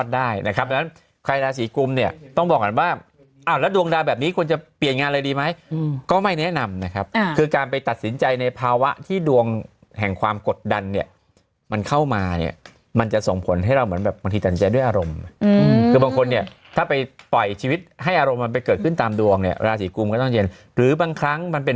ได้นะครับดังนั้นใครราศีกุมเนี่ยต้องบอกก่อนว่าอ้าวแล้วดวงดาวแบบนี้ควรจะเปลี่ยนงานอะไรดีไหมก็ไม่แนะนำนะครับคือการไปตัดสินใจในภาวะที่ดวงแห่งความกดดันเนี่ยมันเข้ามาเนี่ยมันจะส่งผลให้เราเหมือนแบบบางทีตันใจด้วยอารมณ์คือบางคนเนี่ยถ้าไปปล่อยชีวิตให้อารมณ์มันไปเกิดขึ้นตามดวงเนี่ยราศีกุมก็ต้องเย็นหรือบางครั้งมันเป็น